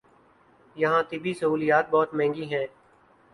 یہاں طبی سہولیات بہت مہنگی ہیں۔